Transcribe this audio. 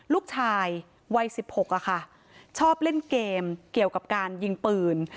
ลูกชายวัย๑๖ค่ะชอบเล่นเกมเกี่ยวกับการยิงปืน